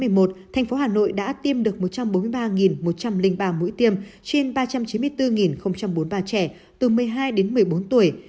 năm hai nghìn một thành phố hà nội đã tiêm được một trăm bốn mươi ba một trăm linh ba mũi tiêm trên ba trăm chín mươi bốn bốn mươi ba trẻ từ một mươi hai đến một mươi bốn tuổi